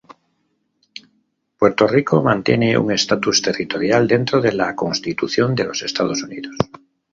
Puerto Rico mantiene un estatus territorial dentro de la constitución de los Estados Unidos.